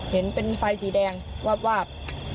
เห็นเป็นไฟสีแดงวาบ